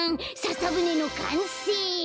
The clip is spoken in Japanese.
笹ぶねのかんせい！